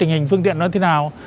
hình phương tiện nó thế nào